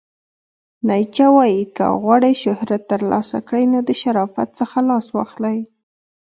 نیچه وایې، که غواړئ شهرت ترلاسه کړئ نو د شرافت څخه لاس واخلئ!